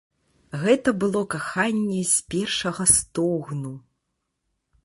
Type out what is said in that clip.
Гэта было каханне з першага стогну.